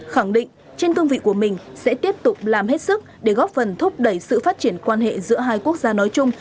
khẳng định trên cương vị của mình sẽ tiếp tục làm hết sức để góp phần thúc đẩy sự phát triển quan hệ giữa hai quốc gia nói chung